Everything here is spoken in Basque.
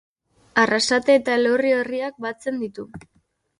Arrasate eta Elorrio herriak batzen ditu.